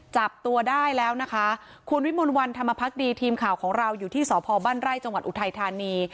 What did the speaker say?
จับตัวได้แล้วนะคะคุณวิมลวันธรรมพักดีทีมข่าวของเราอยู่ที่สพบ้านไร่จังหวัดอุทัยธานี